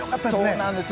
そうなんです。